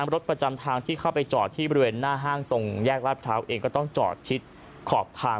รถประจำทางที่เข้าไปจอดที่บริเวณหน้าห้างตรงแยกราชพร้าวเองก็ต้องจอดชิดขอบทาง